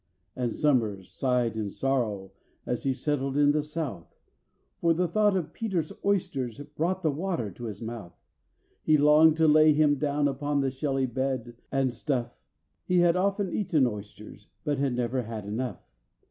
And SOMERS sighed in sorrow as he settled in the south, For the thought of PETER'S oysters brought the water to his mouth. He longed to lay him down upon the shelly bed, and stuff: He had often eaten oysters, but had never had enough.